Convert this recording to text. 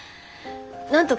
なんとか。